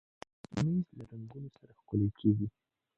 مېز له رنګونو سره ښکلی کېږي.